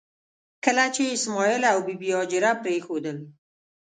کله چې یې اسماعیل او بي بي هاجره پرېښودل.